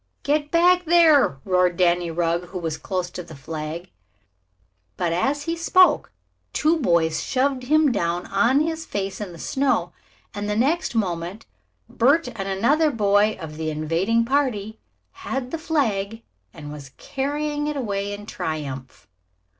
"Get back there!" roared Danny Rugg, who was close to the flag, but as he spoke two boys shoved him down on his face in the snow, and the next moment Bert and another boy of the invading party had the flag and was carrying it away in triumph.